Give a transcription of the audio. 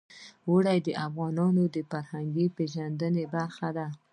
اوړي د افغانانو د فرهنګي پیژندنې برخه ده.